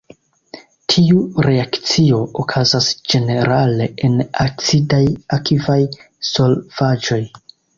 Tiu reakcio okazas ĝenerale en acidaj akvaj solvaĵoj.